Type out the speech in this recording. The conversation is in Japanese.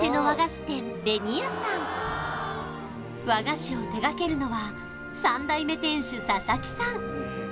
和菓子を手がけるのは３代目店主佐々木さん